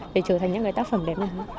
để trở thành những cái tác phẩm đẹp này